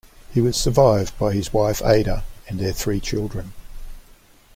He was survived by his wife Ada and their three children.